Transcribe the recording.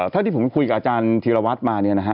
เท่าที่ผมคุยกับอาจารย์ธีรวัตรมาเนี่ยนะฮะ